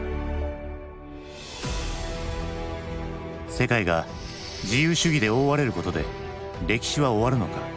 世界が自由主義で覆われることで歴史は終わるのか？